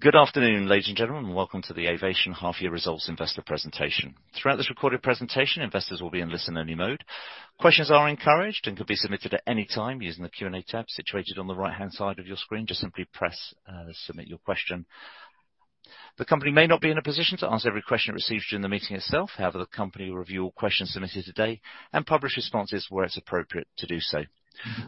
Good afternoon, ladies and gentlemen. Welcome to the Avation Half Year Results Investor Presentation. Throughout this recorded presentation, investors will be in listen-only mode. Questions are encouraged and can be submitted at any time using the Q&A tab situated on the right-hand side of your screen. Just simply press, submit your question. The company may not be in a position to answer every question received during the meeting itself. The company will review all questions submitted today and publish responses where it's appropriate to do so.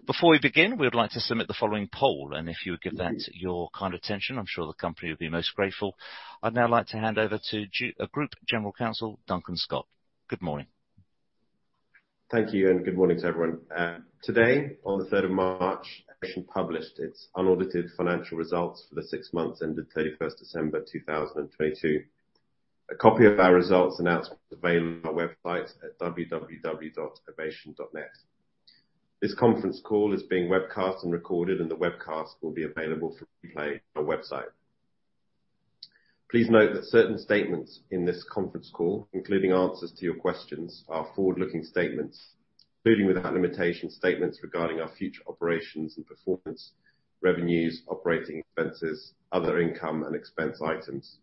Before we begin, we would like to submit the following poll, and if you would give that your kind attention, I'm sure the company will be most grateful. I'd now like to hand over to Group General Counsel, Duncan Scott. Good morning. Thank you. Good morning to everyone. Today on the 3rd of March, Avation published its unaudited financial results for the six months ending 31st December 2022. A copy of our results announcement is available on our website at www.avation.net. This conference call is being webcast and recorded. The webcast will be available for replay on our website. Please note that certain statements in this conference call, including answers to your questions, are forward-looking statements, including without limitation statements regarding our future operations and performance, revenues, operating expenses, other income and expense items.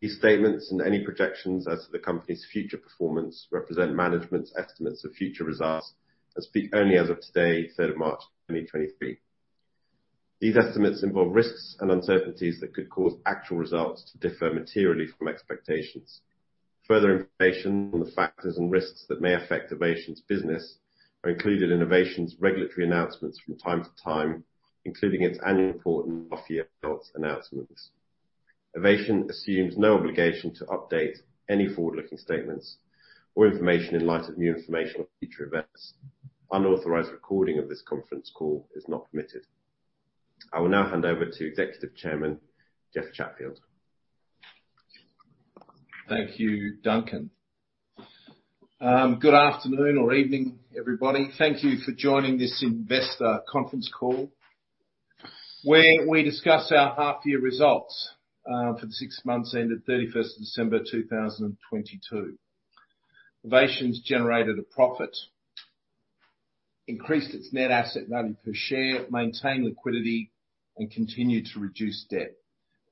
These statements and any projections as to the company's future performance represent management's estimates of future results and speak only as of today, 3rd March, 2023. These estimates involve risks and uncertainties that could cause actual results to differ materially from expectations. Further information on the factors and risks that may affect Avation's business are included in Avation's regulatory announcements from time to time, including its annual report and half-year results announcements. Avation assumes no obligation to update any forward-looking statements or information in light of new information or future events. Unauthorized recording of this conference call is not permitted. I will now hand over to Executive Chairman, Jeff Chatfield. Thank you, Duncan. Good afternoon or evening, everybody. Thank you for joining this investor conference call, where we discuss our half year results for the six months ending 31st December 2022. Avation's generated a profit, increased its net asset value per share, maintained liquidity, and continued to reduce debt.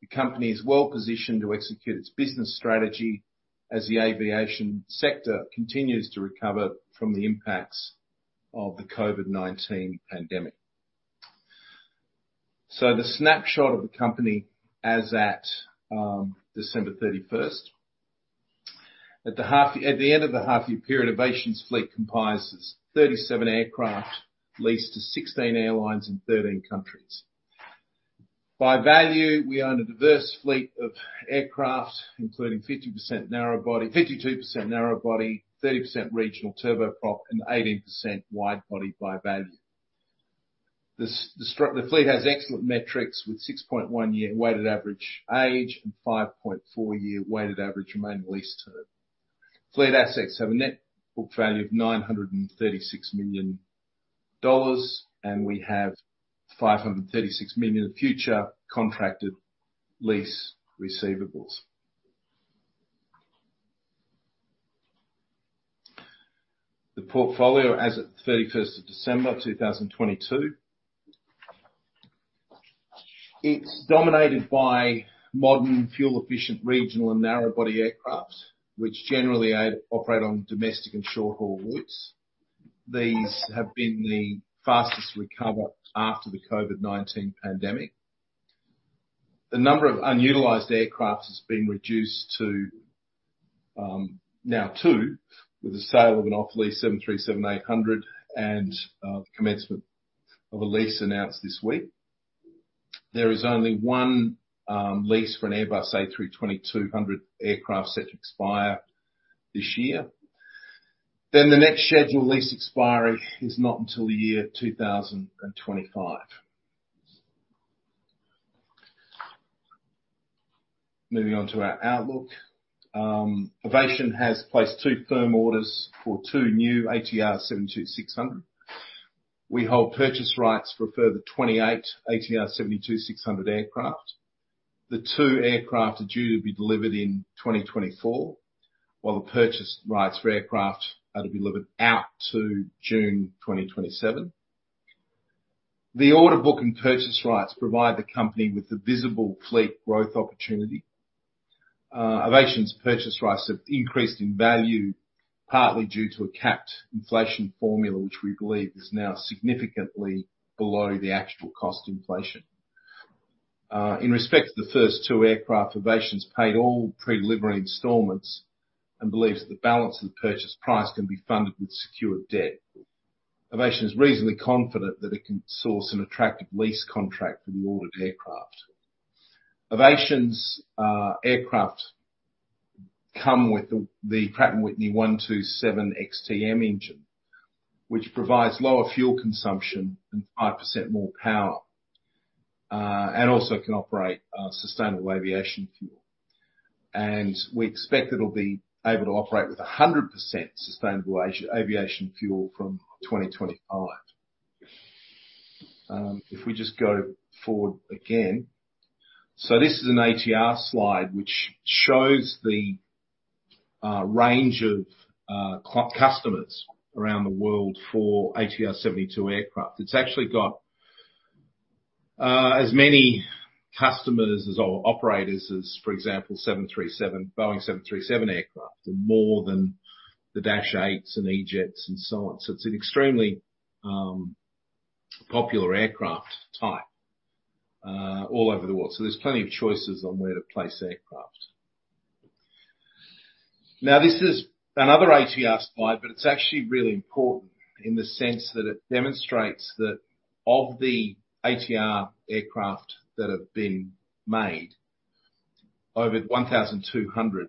The company is well-positioned to execute its business strategy as the aviation sector continues to recover from the impacts of the COVID-19 pandemic. The snapshot of the company as at December 31st. At the end of the half year period, Avation's fleet comprises 37 aircraft leased to 16 airlines in 13 countries. By value, we own a diverse fleet of aircraft, including 52% narrow body, 30% regional turboprop, and 18% wide-body by value. The fleet has excellent metrics with 6.1 year weighted average age and 5.4 year weighted average remaining lease term. Fleet assets have a net book value of $936 million, and we have $536 million in future contracted lease receivables. The portfolio as at 31st of December 2022. It's dominated by modern, fuel-efficient, regional and narrow body aircraft, which generally operate on domestic and short-haul routes. These have been the fastest to recover after the COVID-19 pandemic. The number of unutilized aircraft has been reduced to now two with the sale of an off-lease 737-800 and the commencement of a lease announced this week. There is only one lease for an Airbus A320-200 aircraft set to expire this year. The next scheduled lease expiry is not until the year 2025. Moving on to our outlook. Avation has placed two firm orders for two new ATR 72-600. We hold purchase rights for a further 28 ATR 72-600 aircraft. The two aircraft are due to be delivered in 2024, while the purchase rights for aircraft are to be delivered out to June 2027. The order book and purchase rights provide the company with a visible fleet growth opportunity. Avation's purchase rights have increased in value, partly due to a capped inflation formula, which we believe is now significantly below the actual cost inflation. In respect to the first two aircraft, Avation's paid all pre-delivery installments and believes the balance of the purchase price can be funded with secured debt. Avation is reasonably confident that it can source an attractive lease contract for the ordered aircraft. Avation's aircraft come with the Pratt & Whitney PW127XT-M engine, which provides lower fuel consumption and 5% more power, and also can operate on sustainable aviation fuel. We expect it'll be able to operate with 100% sustainable aviation fuel from 2025. If we just go forward again. This is an ATR slide, which shows the range of customers around the world for ATR 72 aircraft. It's actually got as many customers as or operators as, for example, Boeing 737 aircraft and more than the Dash 8s and E-Jets and so on. It's an extremely popular aircraft type all over the world. There's plenty of choices on where to place aircraft. This is another ATR slide, it's actually really important in the sense that it demonstrates that of the ATR aircraft that have been made, over 1,200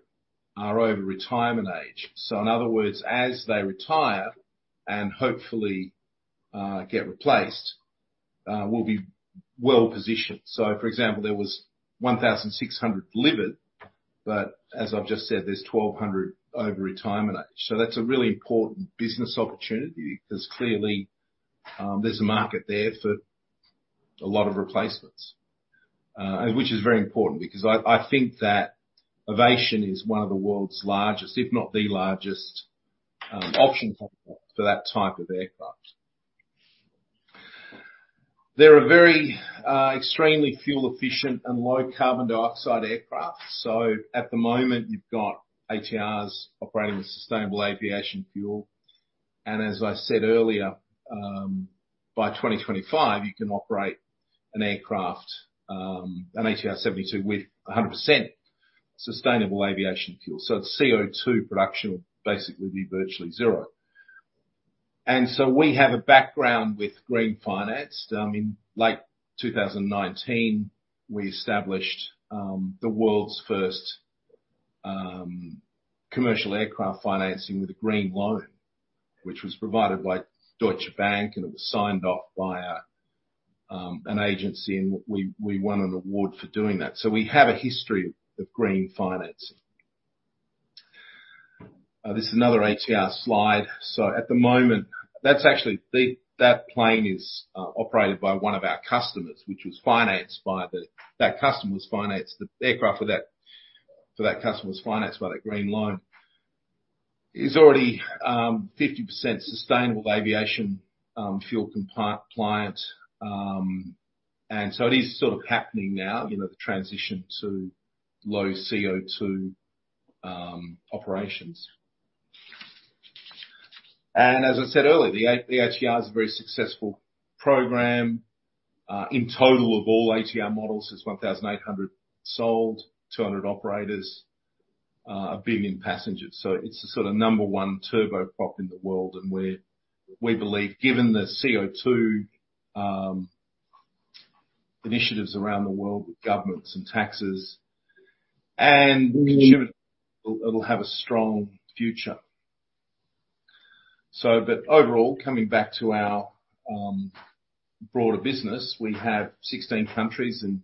are over retirement age. In other words, as they retire and hopefully get replaced, we'll be well-positioned. For example, there was 1,600 delivered, as I've just said, there's 1,200 over retirement age. That's a really important business opportunity because clearly, there's a market there for a lot of replacements. Which is very important because I think that Avation is one of the world's largest, if not the largest, options for that type of aircraft. They're a very extremely fuel-efficient and low carbon dioxide aircraft. At the moment, you've got ATRs operating with sustainable aviation fuel. As I said earlier, by 2025, you can operate an aircraft, an ATR 72 with a 100% sustainable aviation fuel. CO2 production will basically be virtually zero. We have a background with green finance. In late 2019, we established, the world's first, commercial aircraft financing with a green loan, which was provided by Deutsche Bank, and it was signed off via, an agency, and we won an award for doing that. We have a history of green financing. This is another ATR slide. At the moment, that plane is operated by one of our customers. The aircraft for that customer was financed by that green loan. It's already 50% sustainable aviation fuel compliant. It is sort of happening now, you know, the transition to low CO2 operations. As I said earlier, the ATR is a very successful program. In total of all ATR models, there's 1,800 sold, 200 operators, 1 billion passengers. It's the sort of number one turboprop in the world. We believe, given the CO2 initiatives around the world with governments and taxes and consumer, it'll have a strong future. Overall, coming back to our broader business, we have 16 countries and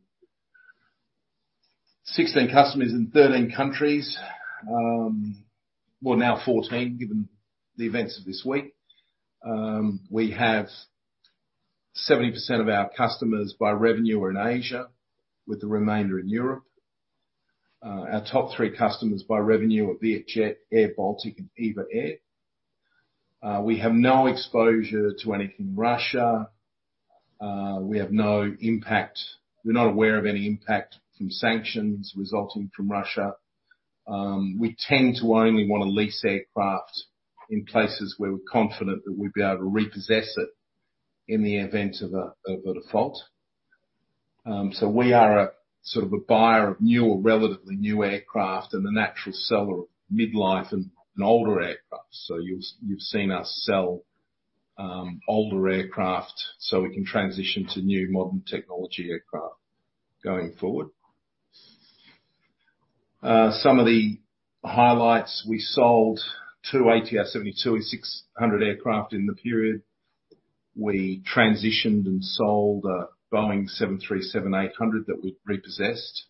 16 customers in 13 countries. We're now 14, given the events of this week. We have 70% of our customers by revenue are in Asia, with the remainder in Europe. Our top three customers by revenue are Vietjet, airBaltic, and EVA Air. We have no exposure to anything Russia. We have no impact. We're not aware of any impact from sanctions resulting from Russia. We tend to only want to lease aircraft in places where we're confident that we'd be able to repossess it in the event of a default. We are a sort of a buyer of new or relatively new aircraft and the natural seller of mid-life and older aircraft. You've seen us sell older aircraft, so we can transition to new modern technology aircraft going forward. Some of the highlights. We sold two ATR 72-600 aircraft in the period. We transitioned and sold a Boeing 737-800 that we'd repossessed.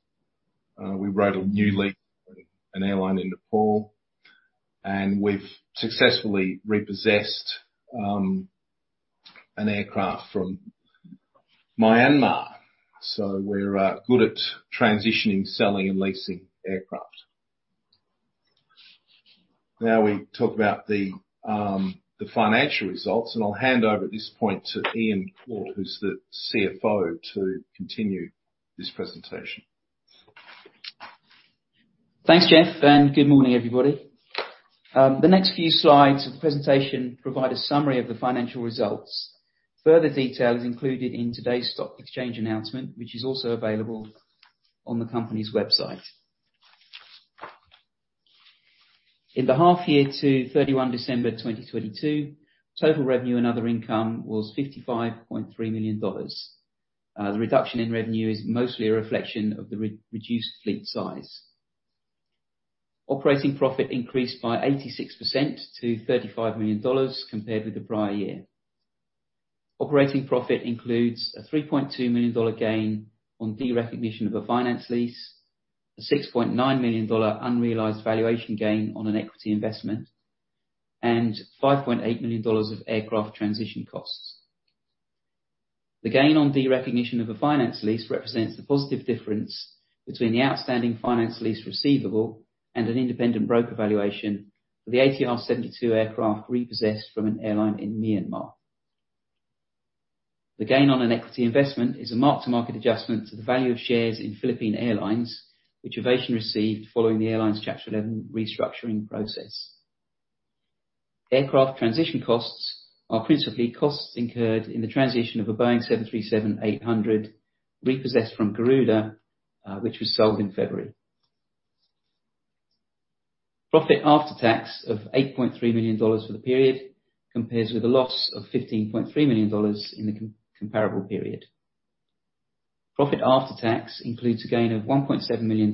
We wrote a new lease with an airline in Nepal. We've successfully repossessed an aircraft from Myanmar. We're good at transitioning, selling and leasing aircraft. Now we talk about the financial results, and I'll hand over at this point to Iain Cawte, who's the Chief Financial Officer, to continue this presentation. Thanks, Jeff. Good morning, everybody. The next few slides of the presentation provide a summary of the financial results. Further detail is included in today's stock exchange announcement, which is also available on the company's website. In the half year to 31 December 2022, total revenue and other income was $55.3 million. The reduction in revenue is mostly a reflection of the reduced fleet size. Operating profit increased by 86% to $35 million compared with the prior year. Operating profit includes a $3.2 million gain on derecognition of a finance lease, a $6.9 million unrealized valuation gain on an equity investment, and $5.8 million of aircraft transition costs. The gain on derecognition of a finance lease represents the positive difference between the outstanding finance lease receivable and an independent broker valuation for the ATR 72 aircraft repossessed from an airline in Myanmar. The gain on an equity investment is a mark-to-market adjustment to the value of shares in Philippine Airlines, which Avation received following the airline's Chapter 11 restructuring process. Aircraft transition costs are principally costs incurred in the transition of a Boeing 737-800 repossessed from Garuda, which was sold in February. Profit after tax of $8.3 million for the period compares with a loss of $15.3 million in the comparable period. Profit after tax includes a gain of $1.7 million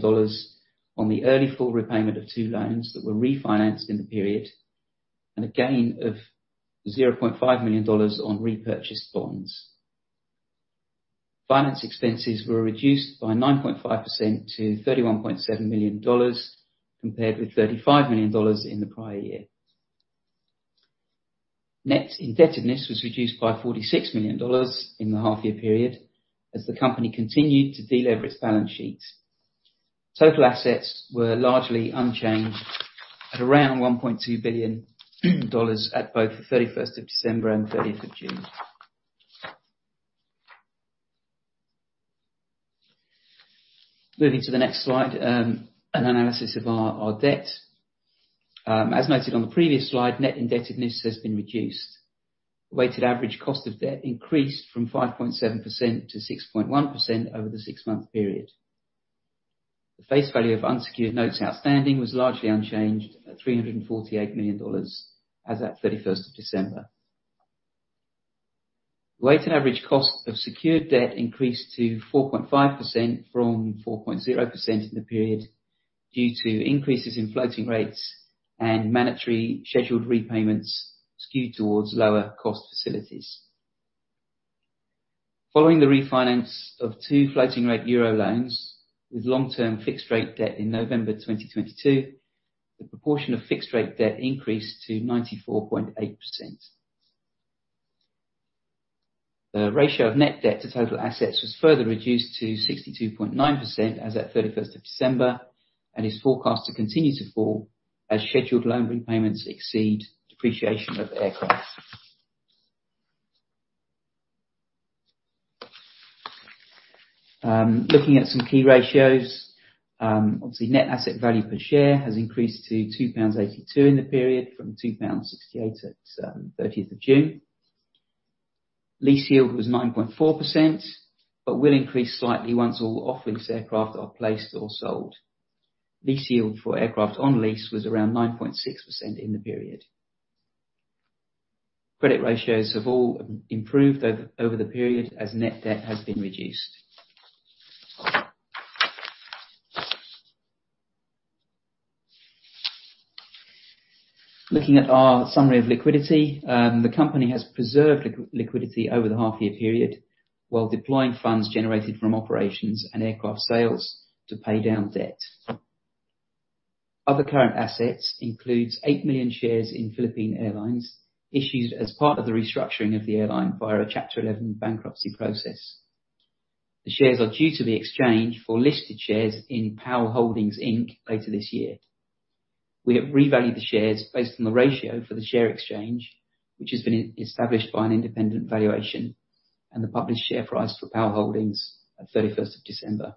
on the early full repayment of two loans that were refinanced in the period, and a gain of $0.5 million on repurchased bonds. Finance expenses were reduced by 9.5% to $31.7 million, compared with $35 million in the prior year. Net indebtedness was reduced by $46 million in the half year period as the company continued to delever its balance sheets. Total assets were largely unchanged at around $1.2 billion at both the 31st of December and the 30th of June. Moving to the next slide, an analysis of our debt. As noted on the previous slide, net indebtedness has been reduced. Weighted average cost of debt increased from 5.7% to 6.1% over the six-months period. The face value of unsecured notes outstanding was largely unchanged at $348 million as at 31st of December. Weighted average cost of secured debt increased to 4.5% from 4.0% in the period due to increases in floating rates and mandatory scheduled repayments skewed towards lower cost facilities. Following the refinance of two floating rate EUR loans with long-term fixed rate debt in November 2022, the proportion of fixed rate debt increased to 94.8%. The ratio of net debt to total assets was further reduced to 62.9% as at 31st of December, and is forecast to continue to fall as scheduled loan repayments exceed depreciation of aircraft. Looking at some key ratios, obviously net asset value per share has increased to 2.82 pounds in the period from 2.68 pounds at 30th of June. Lease yield was 9.4%, but will increase slightly once all off-lease aircraft are placed or sold. Lease yield for aircraft on lease was around 9.6% in the period. Credit ratios have all improved over the period as net debt has been reduced. Looking at our summary of liquidity, the company has preserved liquidity over the half year period while deploying funds generated from operations and aircraft sales to pay down debt. Other current assets includes $8 million shares in Philippine Airlines, issued as part of the restructuring of the airline via a Chapter 11 bankruptcy process. The shares are due to be exchanged for listed shares in PAL Holdings, Inc. later this year. We have revalued the shares based on the ratio for the share exchange, which has been established by an independent valuation and the published share price for PAL Holdings at 31st of December.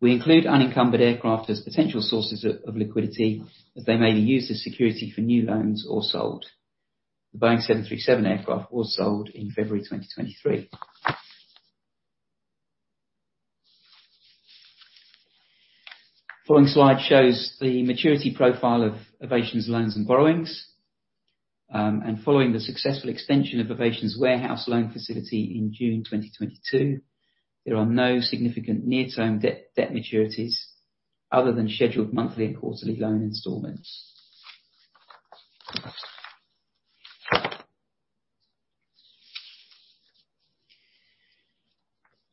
We include unencumbered aircraft as potential sources of liquidity, as they may be used as security for new loans or sold. The Boeing 737 aircraft was sold in February 2023. Following the successful extension of Avation's warehouse loan facility in June 2022, there are no significant near-term debt maturities other than scheduled monthly and quarterly loan installments.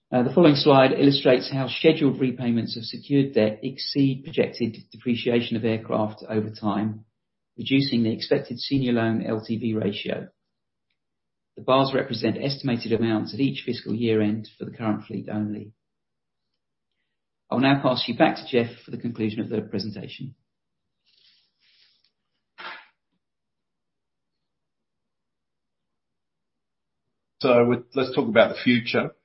The following slide illustrates how scheduled repayments of secured debt exceed projected depreciation of aircraft over time, reducing the expected senior loan LTV ratio. The bars represent estimated amounts at each fiscal year-end for the current fleet only. I'll now pass you back to Jeff for the conclusion of the presentation. Let's talk about the future.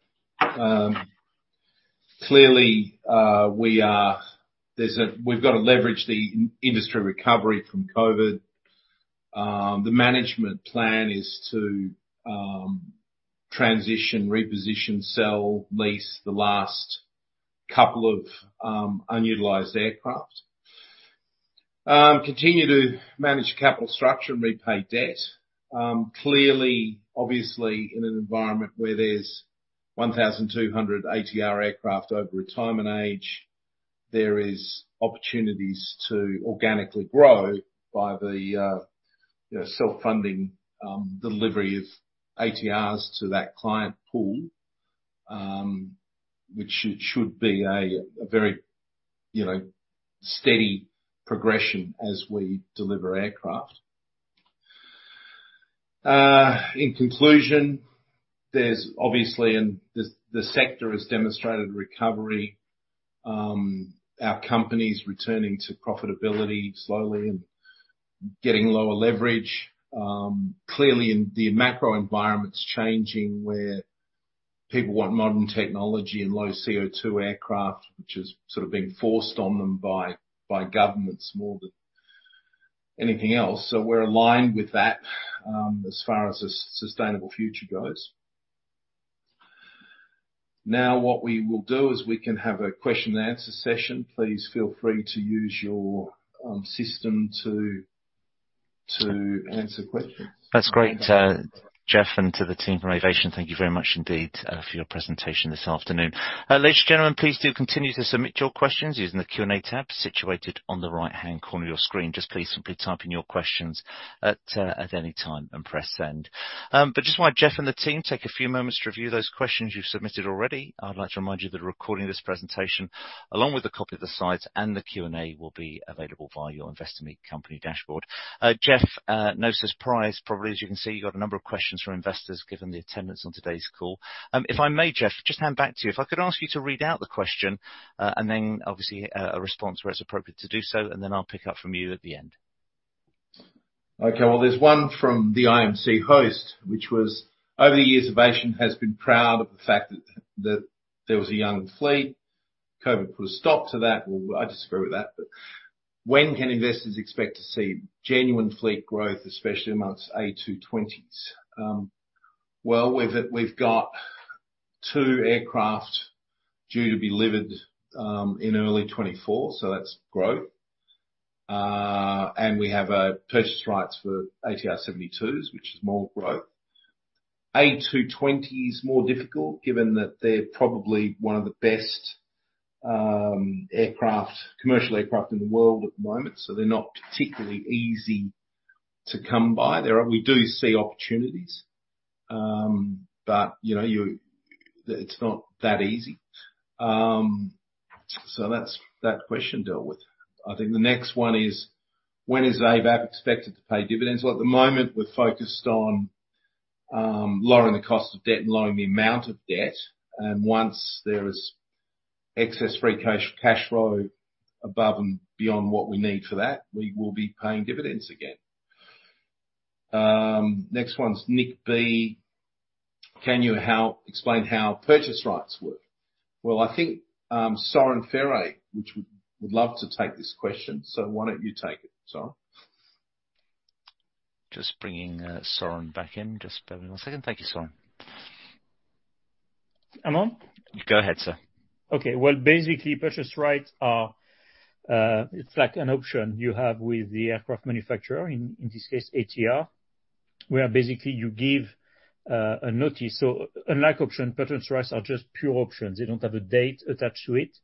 Clearly, we've got to leverage the in-industry recovery from COVID. The management plan is to transition, reposition, sell, lease the last couple of unutilized aircraft. Continue to manage capital structure and repay debt. Clearly, obviously, in an environment where there's 1,200 ATR aircraft over retirement age, there is opportunities to organically grow by the, you know, self-funding delivery of ATRs to that client pool, which should be a very, you know, steady progression as we deliver aircraft. In conclusion, there's obviously, and the sector has demonstrated recovery. Our company's returning to profitability slowly and getting lower leverage. Clearly and the macro environment's changing where people want modern technology and low CO2 aircraft, which is sort of being forced on them by governments more than anything else. We're aligned with that, as far as a sustainable future goes. What we will do is we can have a question and answer session. Please feel free to use your system to answer questions. That's great, Jeff, and to the team from Avation. Thank you very much indeed for your presentation this afternoon. Ladies and gentlemen, please do continue to submit your questions using the Q&A tab situated on the right-hand corner of your screen. Just please simply type in your questions at any time and press send. Just while Jeff and the team take a few moments to review those questions you've submitted already, I'd like to remind you that a recording of this presentation, along with a copy of the slides and the Q&A, will be available via your Investor Meet Company dashboard. Jeff, no surprise, probably as you can see, you've got a number of questions from investors given the attendance on today's call. If I may, Jeff, just hand back to you. If I could ask you to read out the question, and then obviously a response where it's appropriate to do so, and then I'll pick up from you at the end. Okay. Well, there's one from the IMC host, which was, "Over the years, Avation has been proud of the fact that there was a young fleet. COVID put a stop to that." Well, I disagree with that, but, "When can investors expect to see genuine fleet growth, especially amongst A220s?" Well, we've got two aircraft due to be delivered in early 2024, so that's growth. We have purchase rights for ATR72s, which is more growth. A220 is more difficult given that they're probably one of the best aircraft, commercial aircraft in the world at the moment, so they're not particularly easy to come by. We do see opportunities, but, you know, it's not that easy. That's that question dealt with. I think the next one is, "When is AVAP expected to pay dividends?" At the moment, we're focused on lowering the cost of debt and lowering the amount of debt. Once there is excess free cash flow above and beyond what we need for that, we will be paying dividends again. Next one's Nick B. "Can you explain how purchase rights work?" I think Soeren Ferre would love to take this question. Why don't you take it, Soeren? Just bringing, Soeren back in. Just bear with one second. Thank you, Soeren. I'm on? Go ahead, sir. Okay. Well, basically, purchase rights are, it's like an option you have with the aircraft manufacturer, in this case, ATR, where basically you give a notice. Unlike option, purchase rights are just pure options. They don't have a date attached to it.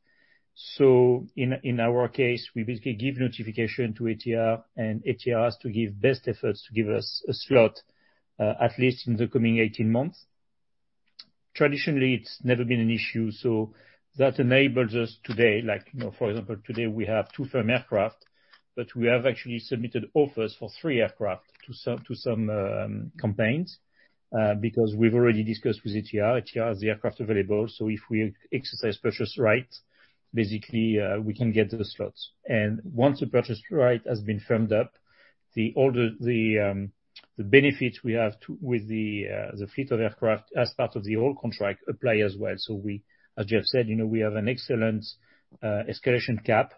In our case, we basically give notification to ATR, and ATR has to give best efforts to give us a slot, at least in the coming 18 months. Traditionally, it's never been an issue. That enables us today, like, you know, for example, today we have two firm aircraft, but we have actually submitted offers for three aircraft to some campaigns, because we've already discussed with ATR. ATR has the aircraft available, if we exercise purchase rights, basically, we can get the slots. Once the purchase right has been firmed up, the benefit we have with the fleet of aircraft as part of the old contract apply as well. We, as Jeff said, you know, we have an excellent, escalation cap.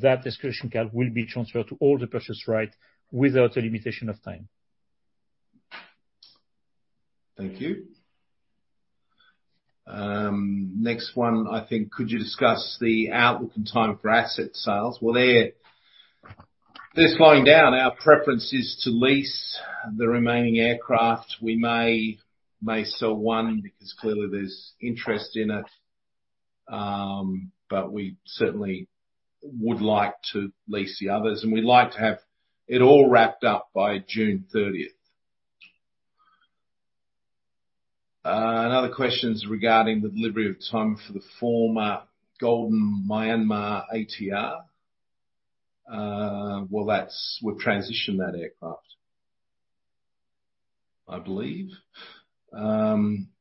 That escalation cap will be transferred to all the purchase rights without a limitation of time. Thank you. Next one, I think. Could you discuss the outlook and timing for asset sales? They're slowing down. Our preference is to lease the remaining aircraft. We may sell one because clearly there's interest in it. We certainly would like to lease the others, and we'd like to have it all wrapped up by June 30th. Another question is regarding the delivery of timing for the former Golden Myanmar ATR. We've transitioned that aircraft, I believe.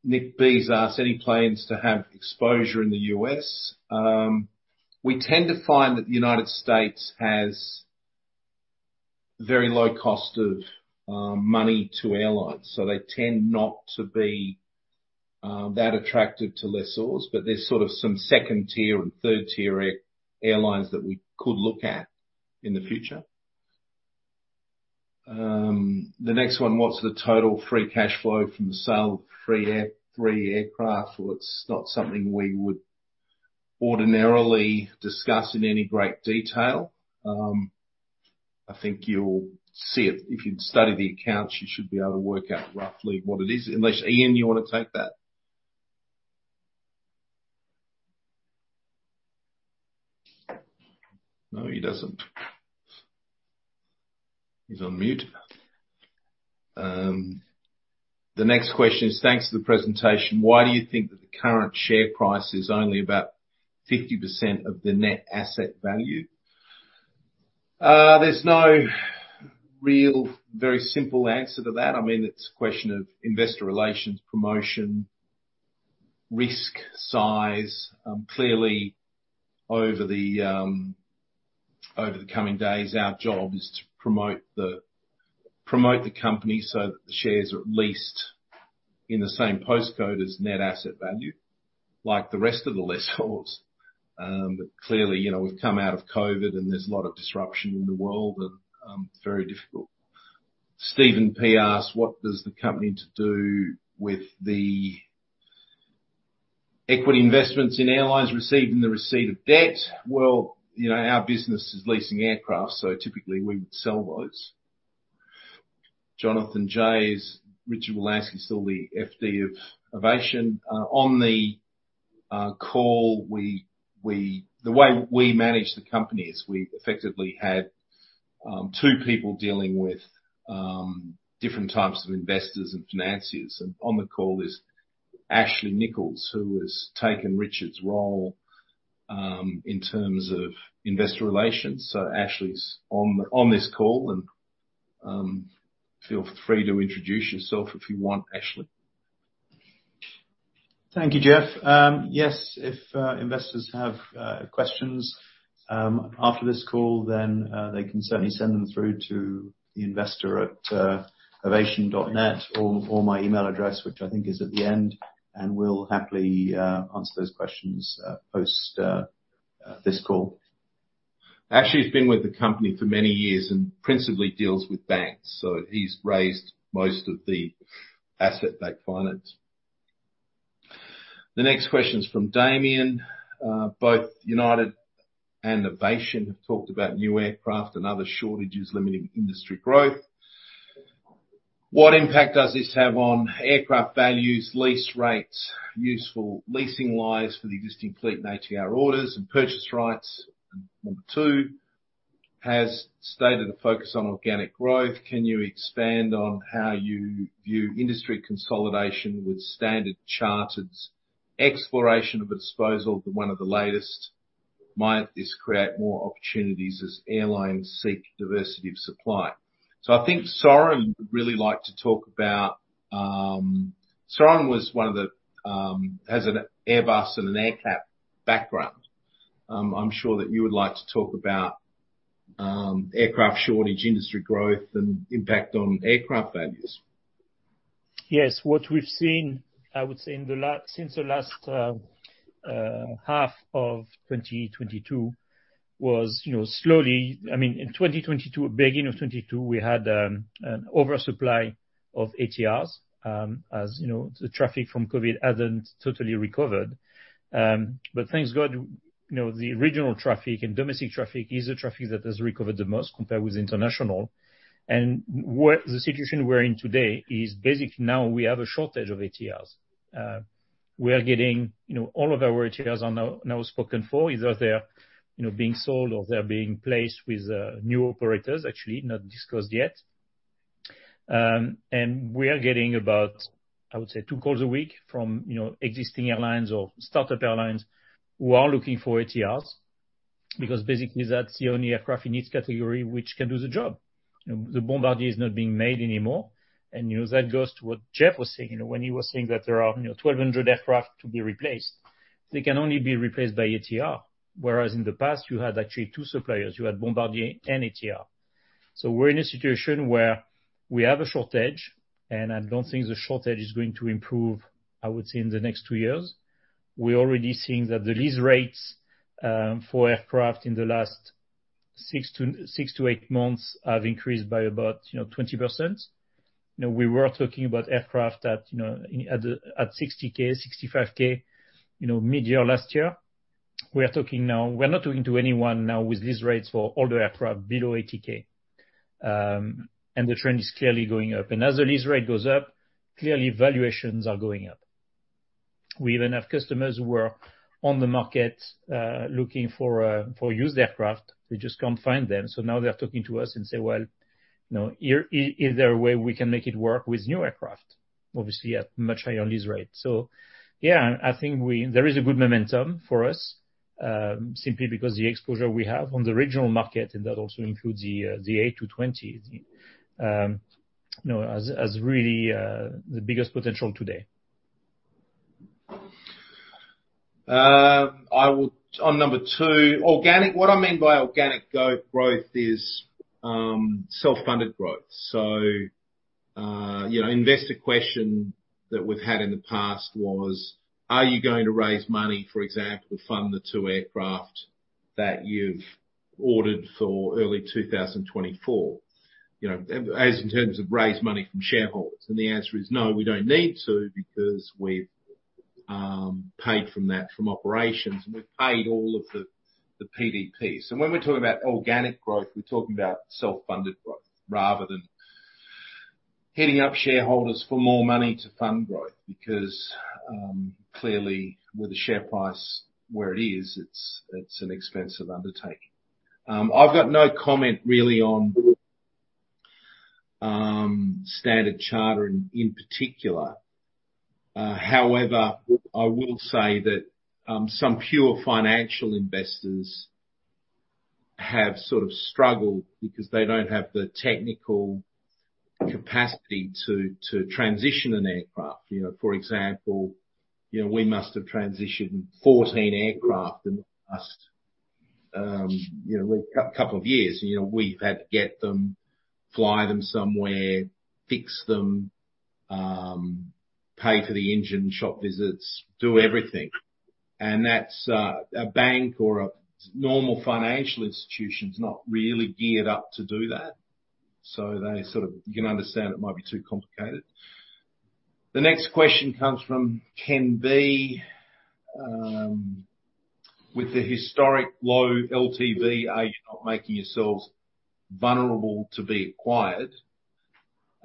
Nick B's asked any plans to have exposure in the U.S., We tend to find that the United States has very low cost of money to airlines, so they tend not to be that attractive to lessors. There's sort of some second-tier and third-tier airlines that we could look at in the future. The next one, what's the total free cash flow from the sale of three aircraft? It's not something we would ordinarily discuss in any great detail. I think you'll see it. If you study the accounts, you should be able to work out roughly what it is. Unless, Iain, you wanna take that? No, he doesn't. He's on mute. The next question is, thanks for the presentation. Why do you think that the current share price is only about 50% of the net asset value? There's no real very simple answer to that. I mean, it's a question of investor relations, promotion, risk, size. Clearly, over the coming days, our job is to promote the company so that the shares are at least in the same postcode as net asset value, like the rest of the lessors. But clearly, you know, we've come out of COVID, and there's a lot of disruption in the world, and very difficult. Stephen P. asks, what does the company to do with the equity investments in airlines received in the receipt of debt? Well, you know, our business is leasing aircraft, so typically we would sell those. Jonathan J. s, Richard Wolanski is still the FD of Avation. On the call, The way we manage the company is we effectively had two people dealing with different types of investors and financiers. On the call is Ashley Nicholas, who has taken Richard's role in terms of investor relations. Ashley's on this call and feel free to introduce yourself if you want, Ashley. Thank you, Jeff. Yes, if investors have questions after this call, they can certainly send them through to the investor at avation.net or my email address, which I think is at the end, and we'll happily answer those questions post this call. Ashley's been with the company for many years and principally deals with banks, so he's raised most of the asset-backed finance. The next question is from Damian. Both United and Avation have talked about new aircraft and other shortages limiting industry growth. What impact does this have on aircraft values, lease rates, useful leasing lives for the existing fleet and ATR orders and purchase rights? Number two, has stated a focus on organic growth. Can you expand on how you view industry consolidation with Standard Chartered's exploration of a disposal to one of the latest? Might this create more opportunities as airlines seek diversity of supply? I think Soeren would really like to talk about. Soeren was one of the, has an Airbus and an AerCap background. I'm sure that you would like to talk about aircraft shortage, industry growth and impact on aircraft values. Yes. What we've seen, I would say in the since the last half of 2022 was, you know, slowly. I mean, in 2022, beginning of 2022, we had an oversupply of ATRs, as you know, the traffic from COVID hadn't totally recovered. Thank God, you know, the regional traffic and domestic traffic is the traffic that has recovered the most compared with international. The situation we're in today is basically now we have a shortage of ATRs. We are getting, you know, all of our ATRs are now spoken for, either they're, you know, being sold or they're being placed with new operators actually not discussed yet. We are getting about, I would say, two calls a week from, you know, existing airlines or start-up airlines who are looking for ATRs because basically that's the only aircraft in its category which can do the job. You know, the Bombardier is not being made anymore. You know, that goes to what Jeff was saying, you know, when he was saying that there are, you know, 1,200 aircraft to be replaced. They can only be replaced by ATR. Whereas in the past you had actually two suppliers, you had Bombardier and ATR. We're in a situation where we have a shortage, and I don't think the shortage is going to improve, I would say, in the next two years. We're already seeing that the lease rates for aircraft in the last six to eight months have increased by about, you know, 20%. You know, we were talking about aircraft at, you know, $60K, $65K, you know, mid-year last year. We're not talking to anyone now with lease rates for older aircraft below $80K. The trend is clearly going up. As the lease rate goes up, clearly valuations are going up. We even have customers who are on the market looking for used aircraft. They just can't find them. Now they are talking to us and say, "Well, you know, is there a way we can make it work with new aircraft?" Obviously, at much higher lease rate. Yeah, I think there is a good momentum for us, simply because the exposure we have on the regional market, and that also includes the A220, you know, has really the biggest potential today. On number two, organic. What I mean by organic growth is self-funded growth. You know, investor question that we've had in the past was, are you going to raise money, for example, to fund the two aircraft that you've ordered for early 2024? You know, as in terms of raise money from shareholders. The answer is no, we don't need to because we've paid from that from operations, and we've paid all of the PDPs. When we're talking about organic growth, we're talking about self-funded growth rather than hitting up shareholders for more money to fund growth because clearly with the share price where it is, it's an expensive undertaking. I've got no comment really on Standard Chartered in particular. However, I will say that some pure financial investors have sort of struggled because they don't have the technical capacity to transition an aircraft. You know, for example, you know, we must have transitioned 14 aircraft in the past, you know, a couple of years. You know, we've had to get them, fly them somewhere, fix them, pay for the engine shop visits, do everything. That's a bank or a normal financial institution's not really geared up to do that. You can understand it might be too complicated. The next question comes from Ken B. With the historic low LTV age not making yourselves vulnerable to be acquired.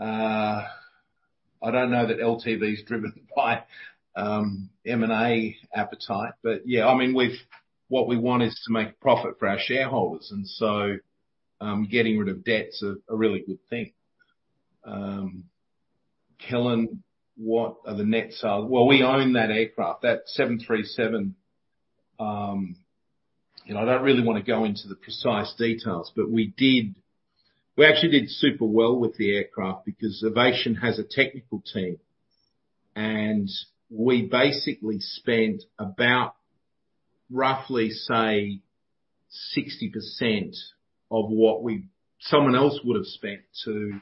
I don't know that LTV is driven by M&A appetite. Yeah, I mean, what we want is to make profit for our shareholders. Getting rid of debt's a really good thing. Kellan, what are the net sales? Well, we own that aircraft, that 737. You know, I don't really wanna go into the precise details, but We actually did super well with the aircraft because Avation has a technical team. We basically spent about roughly, say, 60% of someone else would have spent to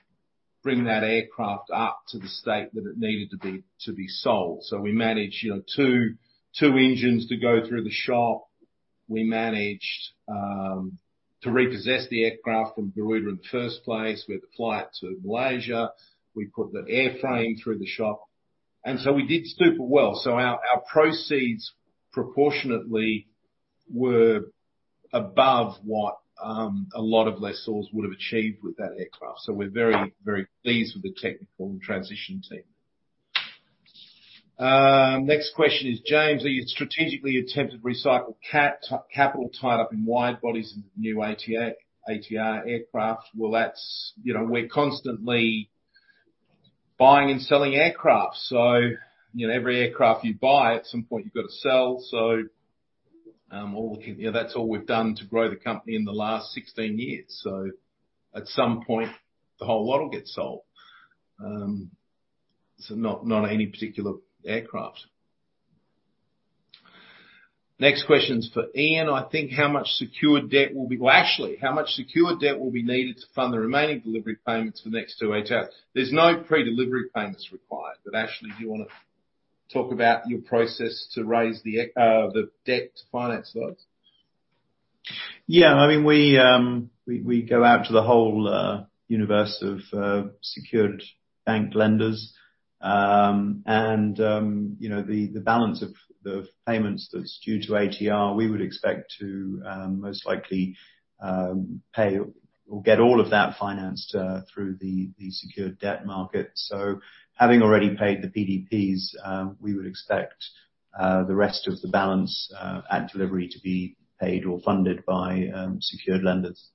bring that aircraft up to the state that it needed to be, to be sold. We managed, you know, two engines to go through the shop. We managed to repossess the aircraft from India in the first place with the flight to Malaysia. We put the airframe through the shop. We did super well. Our proceeds proportionately were above what a lot of lessors would have achieved with that aircraft. We're very pleased with the technical and transition team. Next question is James. Are you strategically attempting to recycle capital tied up in wide-bodies into new ATR aircraft? That's, you know, we're constantly buying and selling aircraft. You know, every aircraft you buy, at some point you've got to sell. All we can. You know, that's all we've done to grow the company in the last 16 years. At some point, the whole lot will get sold. Not any particular aircraft. Next question is for Iain, I think. How much secured debt will be. Ashley, how much secured debt will be needed to fund the remaining delivery payments for the next two ATRs? There's no Pre-Delivery Payments required. Ashley Nicholas, do you wanna talk about your process to raise the debt to finance those? Yeah. I mean, we go out to the whole universe of secured bank lenders. You know, the balance of the payments that's due to ATR, we would expect to most likely pay or get all of that financed through the secured debt market. Having already paid the PDPs, we would expect the rest of the balance at delivery to be paid or funded by secured lenders.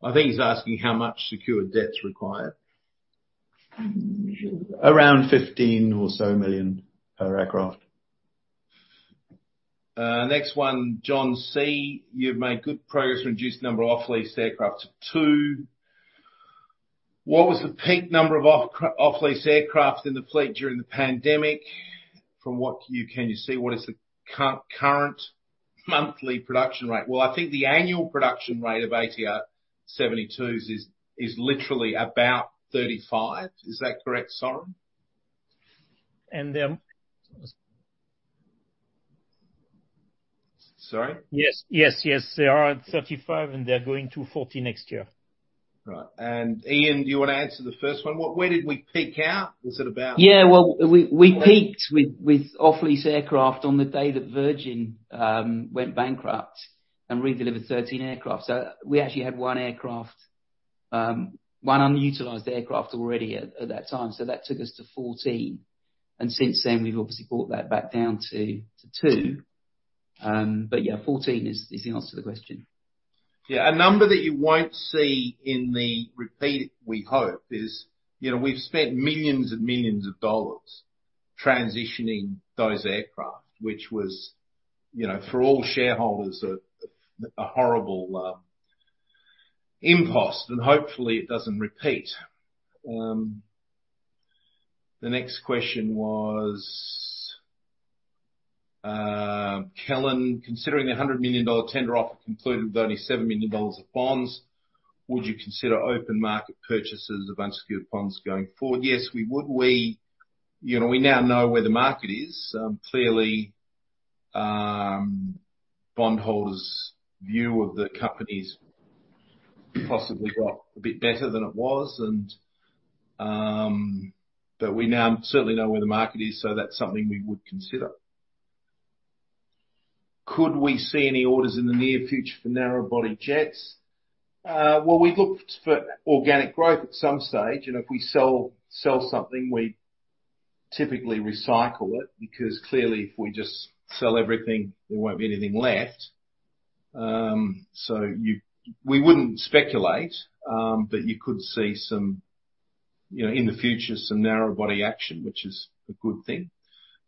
I think he's asking how much secured debt's required. Around $15 or so million per aircraft. Next one, John C. You've made good progress to reduce the number of off-lease aircraft to two. What was the peak number of off-lease aircraft in the fleet during the pandemic? From what you can see, what is the current monthly production rate? Well, I think the annual production rate of ATR 72s is literally about 35. Is that correct, Soeren? And they're- Sorry? Yes. Yes. Yes. They are at 35, and they're going to 40 next year. Right. Ian, do you wanna answer the first one? Where did we peak out? Was it about, Yeah. Well, we peaked with off-lease aircraft on the day that Virgin went bankrupt and redelivered 13 aircraft. We actually had one aircraft, one unutilized aircraft already at that time. That took us to 14. Since then, we've obviously brought that back down to two. Yeah, 14 is the answer to the question. Yeah. A number that you won't see in the repeat, we hope, is, you know, we've spent millions and millions of dollars transitioning those aircraft, which was, you know, for all shareholders a, a horrible impost. Hopefully it doesn't repeat. The next question was, Kellan. Considering the $100 million tender offer concluded with only $7 million of bonds, would you consider open market purchases of unsecured bonds going forward? Yes, we would. We, you know, we now know where the market is. Clearly, bondholders' view of the company's possibly got a bit better than it was. We now certainly know where the market is, so that's something we would consider. Could we see any orders in the near future for narrow body jets? Well, we looked for organic growth at some stage, if we sell something, we typically recycle it because clearly if we just sell everything, there won't be anything left. We wouldn't speculate, but you could see some, you know, in the future, some narrow-body action, which is a good thing.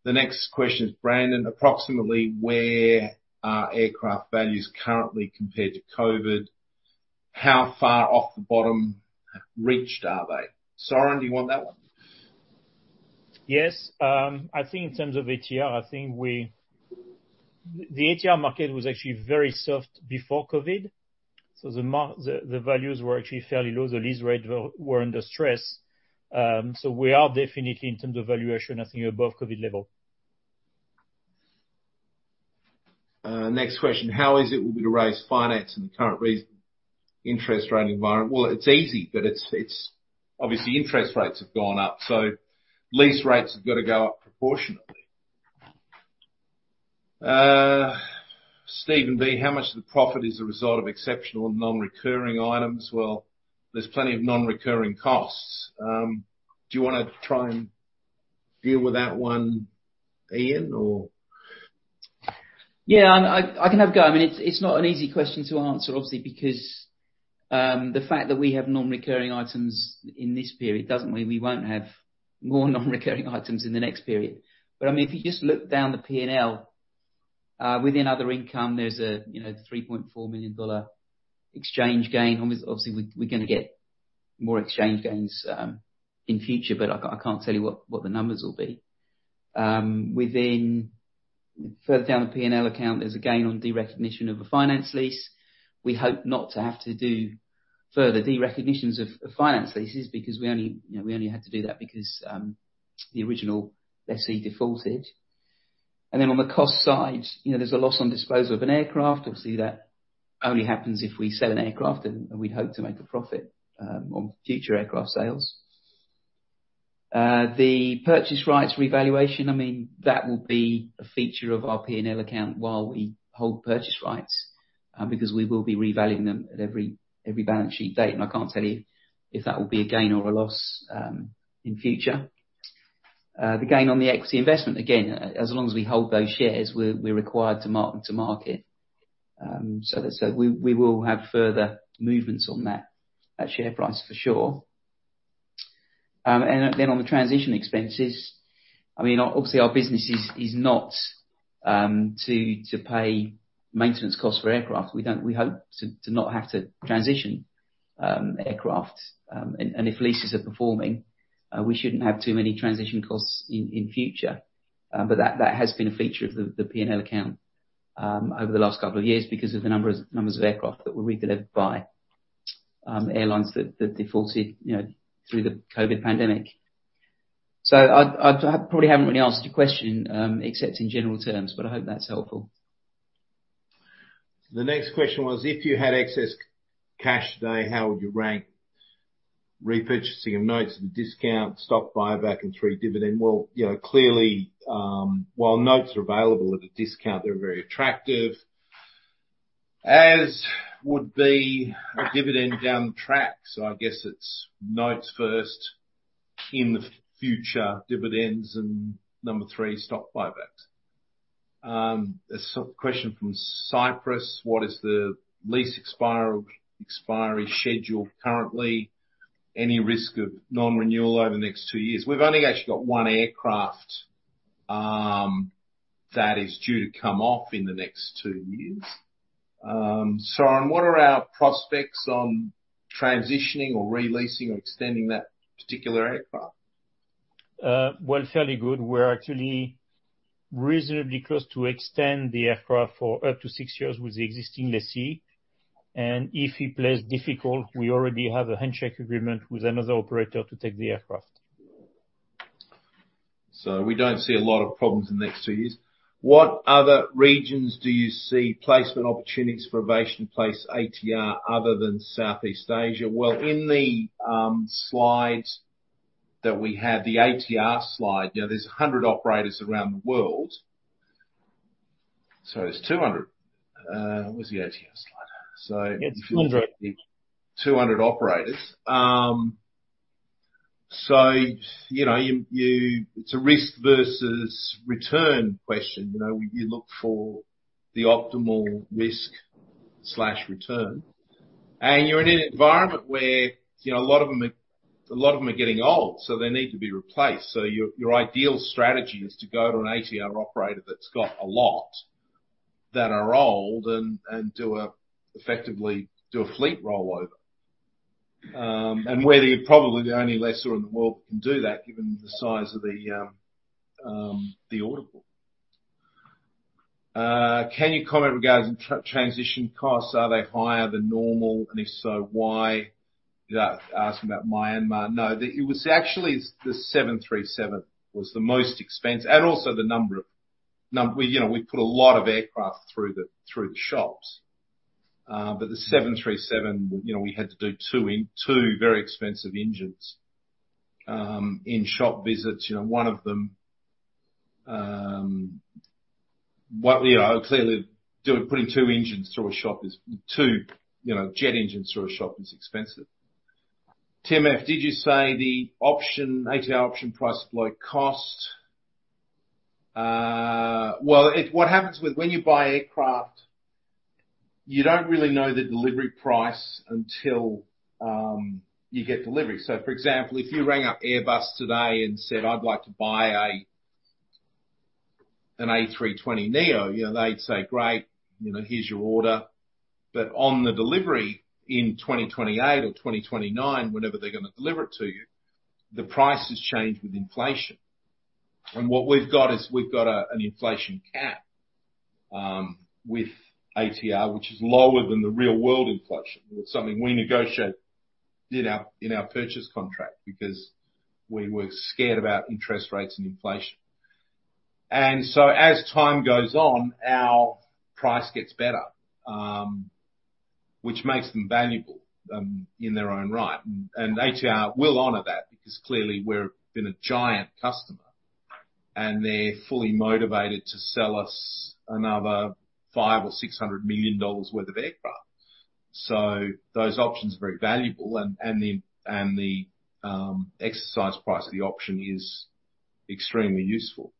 The next question is Brandon. Approximately where are aircraft values currently compared to COVID? How far off the bottom reached are they? Soeren, do you want that one? Yes. I think in terms of ATR, I think the ATR market was actually very soft before COVID. The values were actually fairly low. The lease rate were under stress. We are definitely in terms of valuation, I think above COVID level. Next question. How easy it will be to raise finance in the current interest rate environment? Well, it's easy, but it's. Obviously, interest rates have gone up, so lease rates have gotta go up proportionately. Stephen B, how much of the profit is a result of exceptional and non-recurring items? Well, there's plenty of non-recurring costs. Do you wanna try and deal with that one, Ian, or? Yeah. I can have a go. I mean, it's not an easy question to answer, obviously, because the fact that we have non-recurring items in this period, doesn't mean we won't have more non-recurring items in the next period. I mean, if you just look down the P&L, within other income, there's a, you know, $3.4 million exchange gain. Obviously, we're gonna get more exchange gains in future, but I can't tell you what the numbers will be. Further down the P&L account, there's a gain on derecognition of a finance lease. We hope not to have to do further derecognitions of finance leases because we only, you know, we only had to do that because the original lessee defaulted. On the cost side, you know, there's a loss on disposal of an aircraft. Obviously, that only happens if we sell an aircraft, and we'd hope to make a profit on future aircraft sales. The purchase rights revaluation, I mean, that will be a feature of our P&L account while we hold purchase rights, because we will be revaluing them at every balance sheet date, and I can't tell you if that will be a gain or a loss in future. The gain on the, again, as long as we hold those shares, we're required to mark them to market. Let's say we will have further movements on that share price for sure. Then on the transition expenses, obviously, our business is not to pay maintenance costs for aircraft. We hope to not have to transition aircraft. If leases are performing, we shouldn't have too many transition costs in future. That has been a feature of the P&L account over the last couple of years because of the numbers of aircraft that were redelivered by airlines that defaulted through the COVID pandemic. I've, I probably haven't really answered your question, except in general terms, but I hope that's helpful. The next question was, if you had excess cash today, how would you rank repurchasing of notes at a discount, stock buyback and three, dividend? Well, you know, clearly, while notes are available at a discount, they're very attractive, as would be a dividend down the track. I guess it's notes first. In the future, dividends, and number three, stock buybacks. A sort of question from Cypress. What is the lease expiry schedule currently? Any risk of non-renewal over the next two-years? We've only actually got one aircraft that is due to come off in the next two-years. Soeren, what are our prospects on transitioning or re-leasing or extending that particular aircraft? Well, fairly good. We're actually reasonably close to extend the aircraft for up to six years with the existing lessee. If he plays difficult, we already have a handshake agreement with another operator to take the aircraft. We don't see a lot of problems in the next two-years. What other regions do you see placement opportunities for Avation place ATR other than Southeast Asia? Well, in the slides that we have, the ATR slide, you know, there's 100 operators around the world. It's 200. Where's the ATR slide? If you look at. It's 200. 200 operators. You know, it's a risk versus return question. You know, you look for the optimal risk/return. You're in an environment where, you know, a lot of them are, a lot of them are getting old, so they need to be replaced. Your ideal strategy is to go to an ATR operator that's got a lot, that are old and effectively do a fleet rollover. We're probably the only lessor in the world that can do that given the size of the order book. Can you comment regarding transition costs? Are they higher than normal? If so, why? That asking about Myanmar. No. It was actually the 737 was the most expensive, also the number of We, you know, we put a lot of aircraft through the, through the shops. The 737, you know, we had to do two very expensive engines in shop visits, you know, one of them, what, you know, clearly putting two engines through a shop is two. You know, jet engines through a shop is expensive. Tim F, "Did you say the ATR option price flight cost?" What happens with when you buy aircraft, you don't really know the delivery price until you get delivery. For example, if you rang up Airbus today and said, "I'd like to buy a, an A320neo," you know, they'd say, "Great," you know, "Here's your order." On the delivery in 2028 or 2029, whenever they're gonna deliver it to you, the price has changed with inflation. What we've got is we've got a, an inflation cap with ATR, which is lower than the real world inflation. It's something we negotiate in our, in our purchase contract because we were scared about interest rates and inflation. As time goes on, our price gets better, which makes them valuable in their own right. ATR will honor that because clearly we're been a giant customer, and they're fully motivated to sell us another $500 million or $600 million worth of aircraft. Those options are very valuable. The exercise price of the option is extremely useful.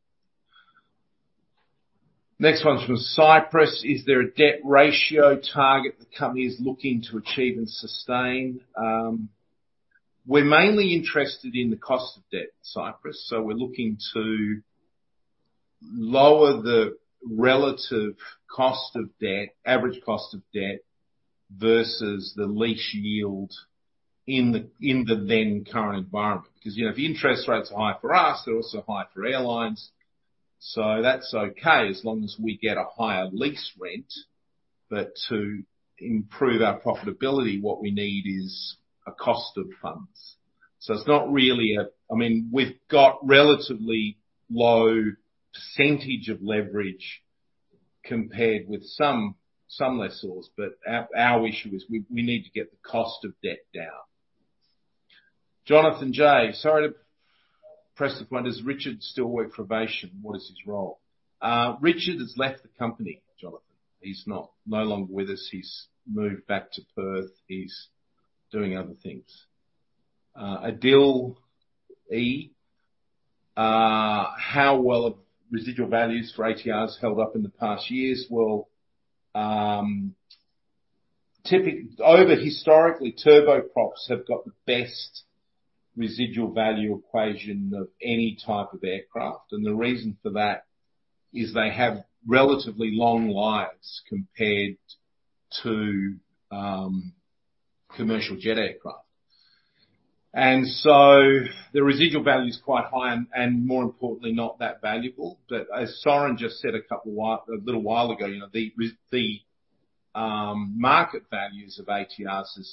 Next one's from Cypress. "Is there a debt ratio target the company is looking to achieve and sustain?" We're mainly interested in the cost of debt, Cypress. We're looking to lower the relative cost of debt, average cost of debt versus the lease yield in the then current environment. You know, if interest rates are high for us, they're also high for airlines. That's okay as long as we get a higher lease rent. To improve our profitability, what we need is a cost of funds. I mean, we've got relatively low percentage of leverage compared with some lessors. Our issue is we need to get the cost of debt down. Jonathan J, "Sorry to press the point. Does Richard still work for Avation? What is his role? Richard has left the company, Jonathan. He's not, no longer with us. He's moved back to Perth. He's doing other things. Adil E, "How well have residual values for ATRs held up in the past years?" Well, historically, turboprops have got the best residual value equation of any type of aircraft, the reason for that is they have relatively long lives compared to commercial jet aircraft. The residual value is quite high and, more importantly, not that valuable. As Soeren just said a little while ago, you know, the market values of ATRs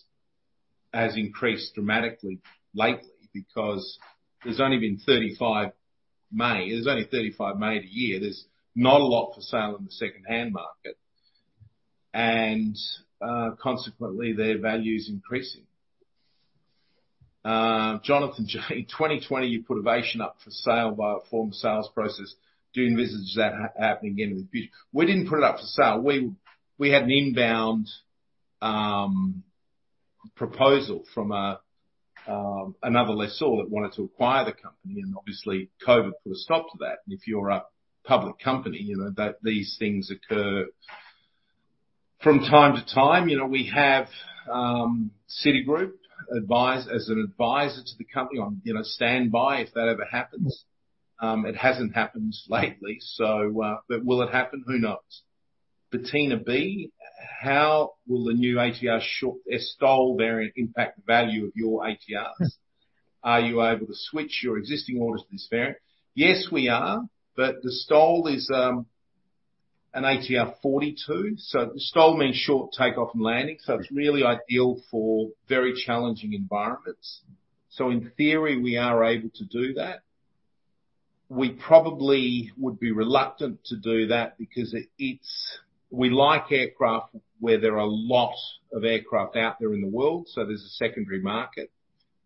has increased dramatically lately because there's only been 35 MA a year. There's not a lot for sale in the secondhand market. Consequently, their value is increasing. Jonathan J, "2020, you put Avation up for sale by a former sales process. Do you envisage that happening again with Avation?" We didn't put it up for sale. We had an inbound proposal from a another lessor that wanted to acquire the company, and obviously, COVID put a stop to that. If you're a public company, you know, that these things occur from time to time. You know, we have Citigroup as an advisor to the company on, you know, standby if that ever happens. It hasn't happened lately, so, but will it happen? Who knows. Bettina B, "How will the new ATR STOL variant impact the value of your ATRs?" "Are you able to switch your existing orders to this variant?" Yes, we are. The STOL is an ATR 42. The STOL means short takeoff and landing, so it's really ideal for very challenging environments. In theory, we are able to do that. We probably would be reluctant to do that because we like aircraft where there are a lot of aircraft out there in the world, so there's a secondary market.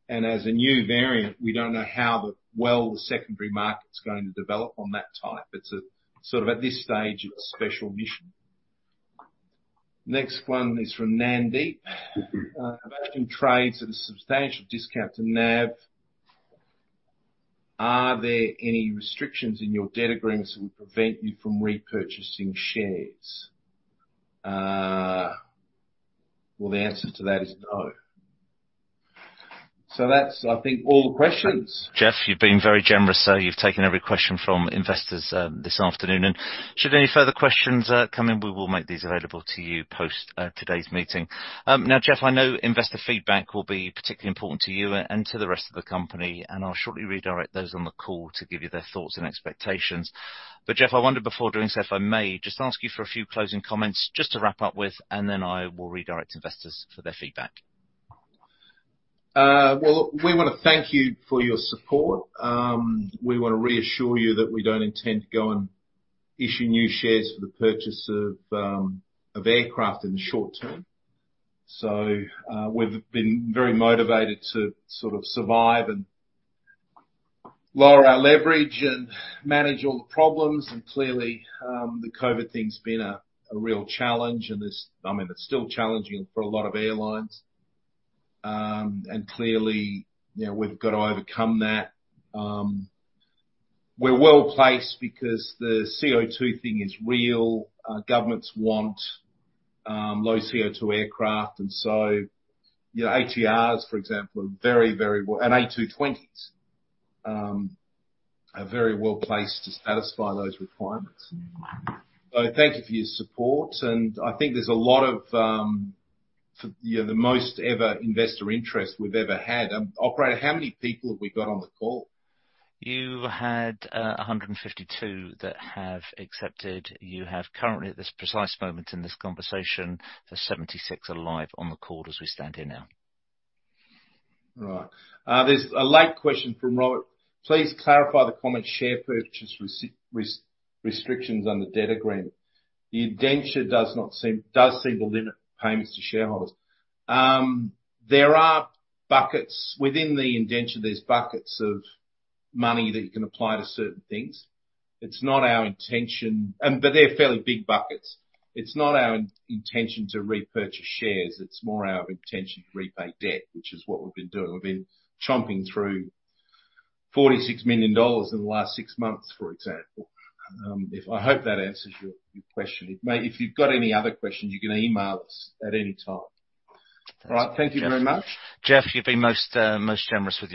As a new variant, we don't know how the secondary market's going to develop on that type. It's a sort of, at this stage, it's special mission. Next one is from Nandi. "Avation trades at a substantial discount to NAV. Are there any restrictions in your debt agreements that would prevent you from repurchasing shares?" Well, the answer to that is no. That's, I think, all the questions. Jeff, you've been very generous, so you've taken every question from investors, this afternoon. Should any further questions come in, we will make these available to you post today's meeting. Now, Jeff, I know investor feedback will be particularly important to you and to the rest of the company, and I'll shortly redirect those on the call to give you their thoughts and expectations. Jeff, I wonder before doing so, if I may just ask you for a few closing comments just to wrap up with, and then I will redirect investors for their feedback. Well, we wanna thank you for your support. We wanna reassure you that we don't intend to go and issue new shares for the purchase of aircraft in the short term. We've been very motivated to sort of survive and lower our leverage and manage all the problems. Clearly, the COVID thing's been a real challenge, and it's, I mean, it's still challenging for a lot of airlines. Clearly, you know, we've got to overcome that. We're well-placed because the CO2 thing is real. Governments want low CO2 aircraft. You know, ATRs, for example, are very well, and A220s are very well-placed to satisfy those requirements. Thank you for your support. I think there's a lot of, you know, the most ever investor interest we've ever had. Operator, how many people have we got on the call? You had 152 that have accepted. You have currently, at this precise moment in this conversation, there's 76 alive on the call as we stand here now. Right. There's a late question from Robert. "Please clarify the comment share purchase restrictions on the debt agreement. The indenture does seem to limit payments to shareholders." There are buckets. Within the indenture, there's buckets of money that you can apply to certain things. It's not our intention... They're fairly big buckets. It's not our intention to repurchase shares. It's more our intention to repay debt, which is what we've been doing. We've been chomping through $46 million in the last six months, for example. I hope that answers your question. If you've got any other questions, you can email us at any time. All right. Thank you very much. Jeff, you've been most generous with your time.